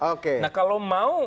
oke nah kalau mau